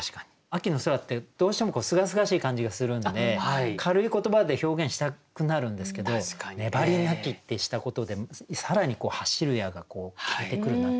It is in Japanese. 秋の空ってどうしてもすがすがしい感じがするんで軽い言葉で表現したくなるんですけど「ねばりなき」ってしたことで更に「走るや」が効いてくるなっていう気はしますよね。